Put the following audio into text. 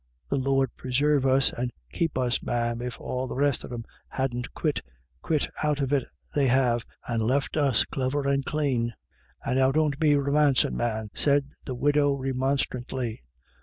The Lord presarve us and keep us, ma'am, if all the rest of them hadn't quit— quit out of it they have> and left us clever and clane." " Ah now, don't be romancin', man," said the widow, remonstrantly.